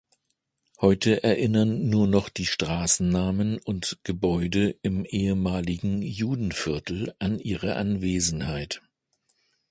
Heute erinnern nur noch die Straßennamen und Gebäude im ehemaligen Judenviertel an ihre Anwesenheit.